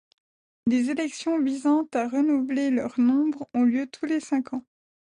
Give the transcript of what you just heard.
Des élections visant à renouveler leur nombre ont lieu tous les cinq ans.